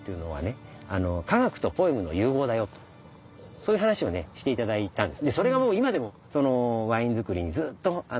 そういう話をして頂いたんです。